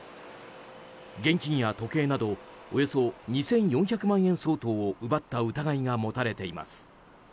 現金や時計などおよそ２４００万円相当を奪った疑いが持たれています。